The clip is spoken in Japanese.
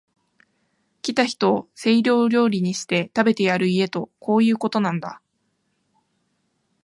来た人を西洋料理にして、食べてやる家とこういうことなんだ